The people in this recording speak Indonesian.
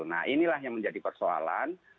nah inilah yang menjadi persoalan